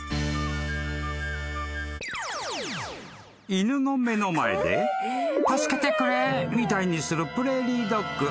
［犬の目の前で「助けてくれ」みたいにするプレーリードッグ］